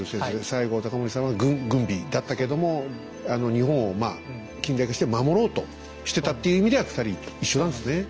西郷隆盛さんは軍備だったけども日本を近代化して守ろうとしてたっていう意味では２人一緒なんですね。